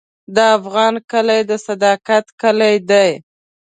د افغان کلی د صداقت کلی دی.